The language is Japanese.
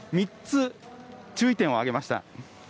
３つ注意点を挙げました。